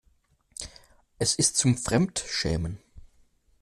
Es ist zum Fremdschämen.